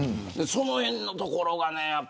そのへんのところがね。